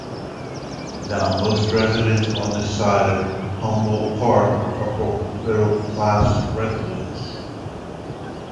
Now most residents on this side of Humboldt Park are upper middle class residents.